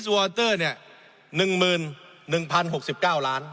อิสวอเตอร์เนี่ยหนึ่งหมื่นหนึ่งพันหกสิบเก้าล้าน